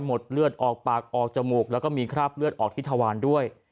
เลือดออกปากออกจมูกแล้วก็มีคราบเลือดออกที่ทวารด้วย